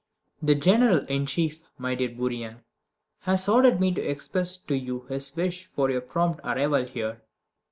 The General in Chief, my dear Bourrienne, has ordered me to express to you his wish for your prompt arrival here.